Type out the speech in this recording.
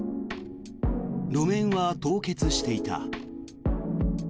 路面は凍結していた。